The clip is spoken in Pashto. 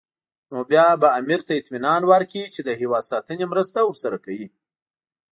نو بیا به امیر ته اطمینان ورکړي چې د هېواد ساتنې مرسته ورسره کوي.